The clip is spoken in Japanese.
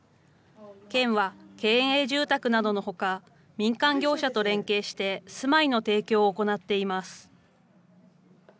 県は、県営住宅などのほか、民間業者と連携して、住まいの提供を行っています。